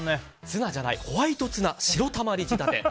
ツナじゃないホワイトツナ白たまり仕立て。